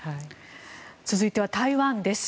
続いては台湾です。